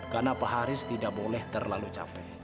karena pak haris tidak boleh terlalu capek